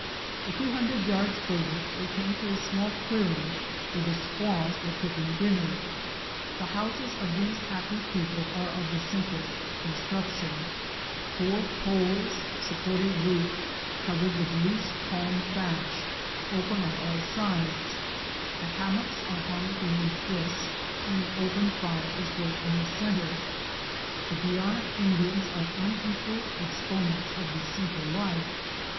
A few hundred yards farther we came to a small clearing where the squaws were cooking dinner. The houses of these happy people are of the simplest construction. Four poles support a roof covered with loose palm thatch, open on all A GOLD MINE IN THE WILDERNESS. IQI sides. The hammocks are hung beneath this and an open fire is built in the centre. The Guiana Indians are unequalled exponents of the simple life.